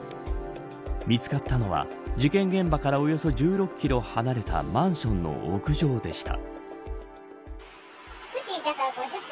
見つかったのは事件現場からおよそ１６キロ離れたマンションの屋上でした。